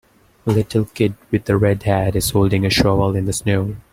A little kid with a red hat is holding a shovel in the snow.